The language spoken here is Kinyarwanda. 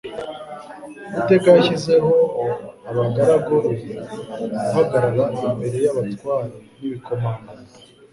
Uwiteka yashyizeho abagaragu be guhagarara imbere y'abatware n'ibikomangoma,